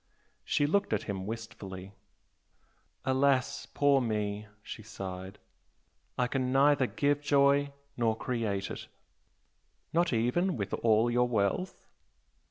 She looked at him wistfully. "Alas, poor me!" she sighed "I can neither give joy nor create it!" "Not even with all your wealth?"